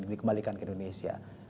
di kembalikan ke indonesia